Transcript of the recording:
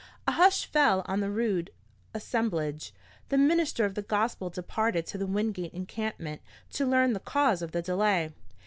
A hush fell on the rude assemblage. The minister of the gospel departed to the Wingate encampment to learn the cause of the delay.